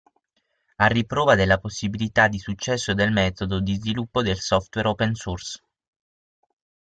A riprova della possibilità di successo del metodo di sviluppo del software open source.